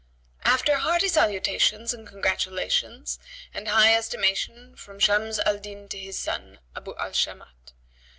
"After hearty salutations and congratulations and high estimation from Shams al Din to his son, Abu al Shamat.